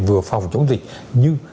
vừa phòng chống dịch nhưng